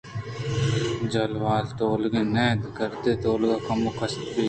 جھل والا تولگے نہ انت گُرکے تولگ کمو کستر بیت